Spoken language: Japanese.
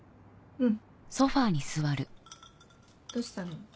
うん。